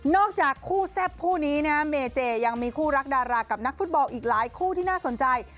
จากคู่แซ่บคู่นี้นะเมเจยังมีคู่รักดารากับนักฟุตบอลอีกหลายคู่ที่น่าสนใจ